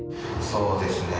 そうですね。